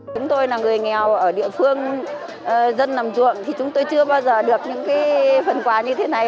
chúng tôi là người nghèo ở địa phương dân nằm ruộng thì chúng tôi chưa bao giờ được những phần quà như thế này